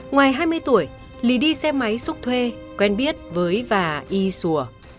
ngoài hai mươi tuổi lý đi xe máy xúc thuê quen biết với và y sùa